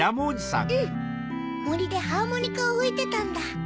・うんもりでハーモニカをふいてたんだ。